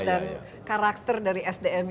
dan karakter dari sdm